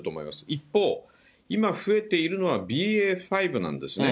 一方、今、増えているのはＢＡ．５なんですね。